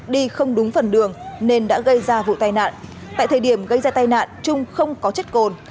đi không đúng phần đường nên đã gây ra vụ tai nạn tại thời điểm gây ra tai nạn trung không có chất cồn